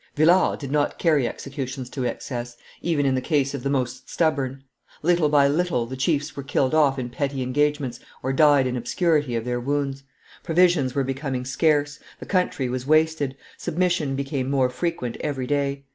Villars did not carry executions to excess, even in the case of the most stubborn; little by little the chiefs were killed off in petty engagements or died in obscurity of their wounds; provisions were becoming scarce; the country was wasted; submission became more frequent every day.